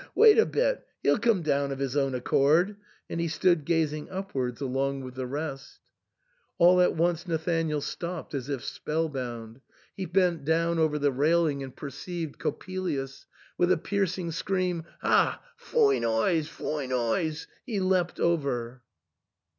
wait a bit ; he'll come down of his own accord ;" and he stood gazing upwards along with the rest. All at once Nathanael stopped as if spell bound ; he bent down over THE SAND MAN. 215 the railing, and perceived Coppelius. With a piercing scream, " Ha ! foine oyes ! foine oyes !" he leapt over.